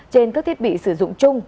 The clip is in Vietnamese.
trên các thiết bị sử dụng chung